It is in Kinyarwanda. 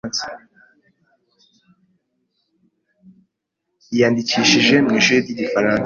yiyandikishije mu ishuri ryigifaransa.